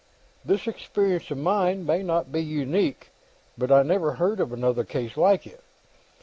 "This experience of mine may not be unique, but I never heard of another case like it.